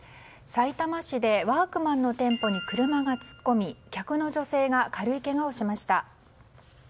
さいたま市でワークマンの店舗に車が突っ込み客の女性が軽いけがをしました。